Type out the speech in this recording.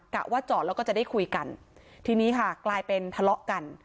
ว่าจอดแล้วก็จะได้คุยกันทีนี้ค่ะกลายเป็นทะเลาะกัน